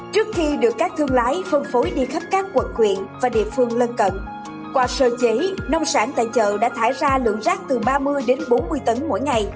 trước khi được các thương lái phân phối đi khắp các quận huyện và địa phương lân cận qua sơ chế nông sản tại chợ đã thải ra lượng rác từ ba mươi đến bốn mươi tấn mỗi ngày